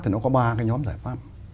thì nó có ba cái nhóm giải pháp